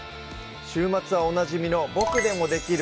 週末はおなじみの「ボクでもできる！